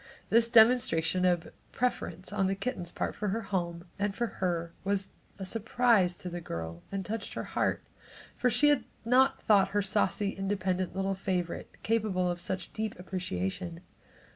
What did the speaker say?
This demonstration of preference on the kitten's part for her home, and for her, was a surprise to the girl and touched her heart, for she had not thought her saucy, independent little favorite capable of such deep appreciation.